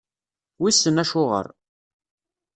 Wissen acuɣeṛ.